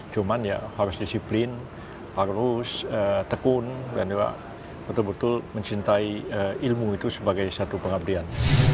cuman ya harus disiplin harus tekun dan betul betul mencintai ilmu itu sebagai satu pengabdian